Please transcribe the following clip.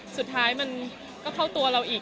สุดท้ายมันก็เข้าตัวเราอีก